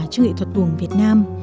trong nghệ thuật tù việt nam